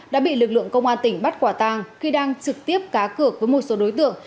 đã bị lực lượng công an tỉnh bắt quả tàng khi đang trực tiếp cá cược với một số đối tượng